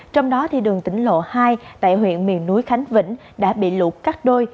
trong đó đường tỉnh lộ hai tại huyện miền núi khánh vĩnh đã bị lũ cắt đôi